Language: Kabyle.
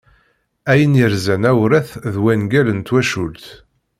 Ayen yerzan awrat d wangal n twacult.